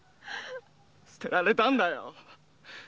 捨てられたんだ！